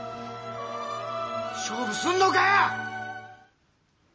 勝負すんのかよ！